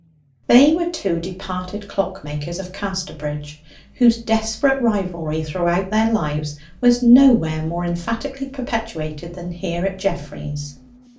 They were two departed clockmakers of Casterbridge, whose desperate rivalry throughout their lives was nowhere more emphatically perpetuated than here at Geoffrey's.